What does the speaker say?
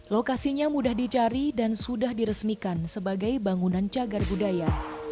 lokasinya mudah dicari dan sudah diresmikan sebagai bangunan cagar budaya